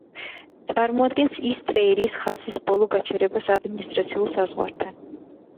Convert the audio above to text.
წარმოადგენს ისტ-რეილის ხაზის ბოლო გაჩერებას ადმინისტრაციულ საზღვართან.